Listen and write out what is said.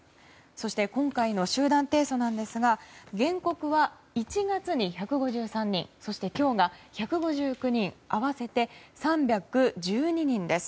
そして今回の集団提訴なんですが原告は１月に１５３人そして今日が１５９人合わせて３１２人です。